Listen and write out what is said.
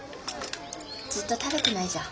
ずっと食べてないじゃん。